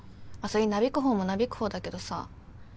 それになびく方もなびく方だけどさ。